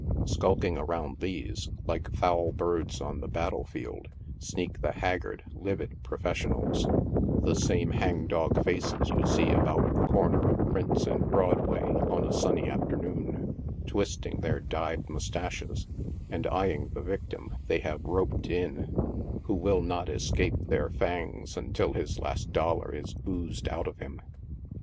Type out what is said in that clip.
Skulking around these, like foul birds on the battle field, sneak the haggard, livid professionals, the same hang dog faces you see about the corner of Prince and Broadway on a sunny afternoon, twisting their dyed moustaches, and eyeing the victim they have "roped in," who will not escape their fangs until his last dollar is oozed out of him.